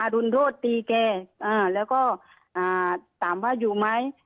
รุนโทษตีแกแล้วก็ถามว่าอยู่ไหม